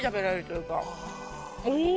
うん！